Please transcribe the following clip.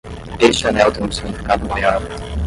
Este anel tem um significado maior